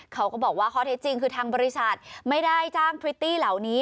เขาก็บอกว่าข้อเท็จจริงคือทางบริษัทไม่ได้จ้างพริตตี้เหล่านี้